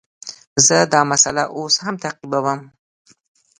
زه دا مسئله اوس هم تعقیبوم.